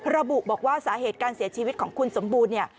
ระบุบอกว่าสาเหตุการเสียชีวิตของคุณสมบูรณ์เนี่ย